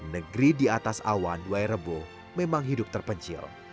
negeri di atas awan wairebo memang hidup terpencil